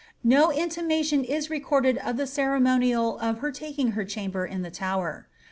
No intimation is re corded of the ceremonial of her taking her chamber in the Tower.